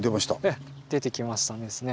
ええ出てきましたですね。